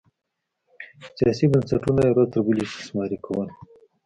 سیاسي بنسټونه یې ورځ تر بلې استثماري کول